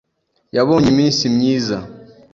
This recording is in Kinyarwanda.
Yabonye iminsi myiza.